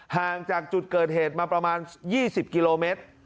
ห่างจากจุดเกิดเหตุมาประมาณ๒๐กิโลเมตร